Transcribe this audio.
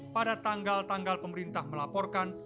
pada tanggal tanggal pemerintah melaporkan